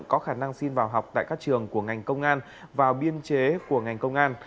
có khả năng xin vào học tại các trường của ngành công an vào biên chế của ngành công an